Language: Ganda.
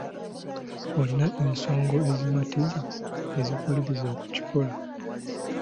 Olina ensonga ezimatiza ezikuwaliriza okukikola?